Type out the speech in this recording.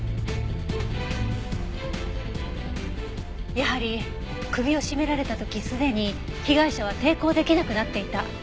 やはり首を絞められた時すでに被害者は抵抗できなくなっていた。